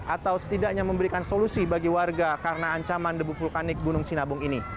atau setidaknya memberikan solusi bagi warga karena ancaman debu vulkanik gunung sinabung ini